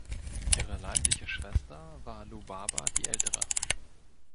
Ihre leibliche Schwester war Lubaba die Ältere.